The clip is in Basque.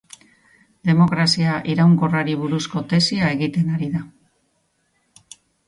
Demokrazia iraunkorrari buruzko tesia egiten ari da.